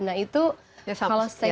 nah itu kalau saya kira